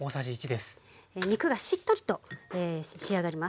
肉がしっとりと仕上がります。